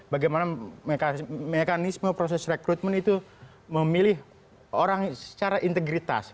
bagaimana mekanisme proses rekrutmen itu memilih orang secara integritas